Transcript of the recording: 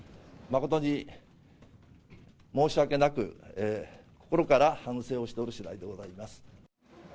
誠に申し訳なく、心から反省をしておるしだいでございます。